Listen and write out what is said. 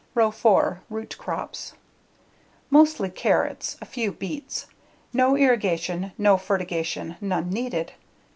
Row 4: Root Crops Mostly carrots, a few beets. No irrigation, no fertigation, none needed.